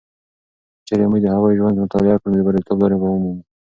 که چیرې موږ د هغوی ژوند مطالعه کړو، نو د بریالیتوب لارې به ومومو.